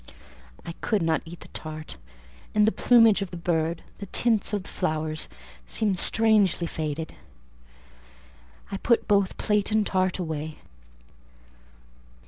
I could not eat the tart; and the plumage of the bird, the tints of the flowers, seemed strangely faded: I put both plate and tart away.